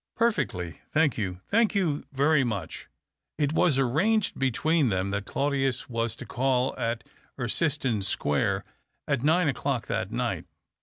"Perfectly. Thank you, thank you very much." It was arranged between them that Claudius was to call at Erciston Square at nine o'clock that night.